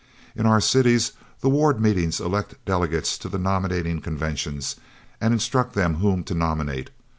In our cities, the ward meetings elect delegates to the nominating conventions and instruct them whom to nominate.